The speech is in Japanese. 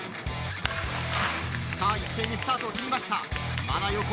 さあ、一斉にスタートを切った。